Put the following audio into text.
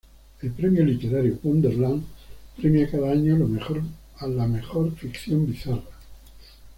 El premio literario Wonderland premia cada año a la mejor ficción bizarra.